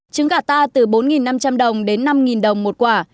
trứng gà ta từ bốn năm trăm linh đồng đến năm đồng một quả